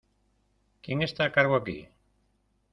¿ Quién está a cargo aquí?